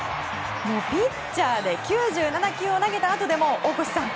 ピッチャーで９７球を投げたあとでも大越さん